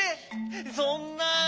そんな。